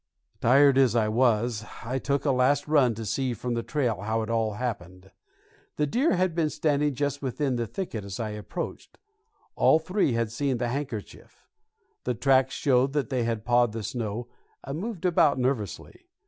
Tired as I was, I took a last run to see from the trail how it all happened. The deer had been standing just within the thicket as I approached. All three had seen the handkerchief; the tracks showed that they had pawed the snow and moved about nervously.